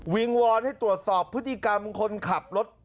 งวอนให้ตรวจสอบพฤติกรรมคนขับรถ